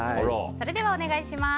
それではお願いします。